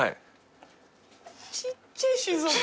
ちっちぇえ静岡。